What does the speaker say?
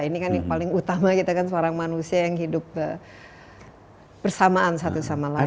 ini kan paling utama kita kan seorang manusia yang hidup bersamaan satu sama lain